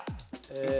え。